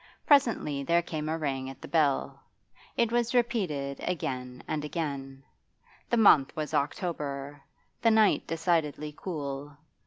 Presently there came a ring at the bell; it was repeated again and again. The month was October, the night decidedly cool.